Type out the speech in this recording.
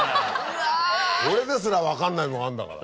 俺ですら分かんないのがあるんだから。